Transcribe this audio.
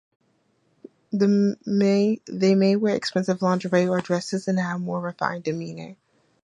They may wear expensive lingerie or dresses and have a more refined demeanor.